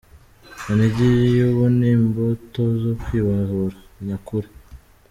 Kinigi y’ubu ni imbuto zo kwibohora nyakuri”.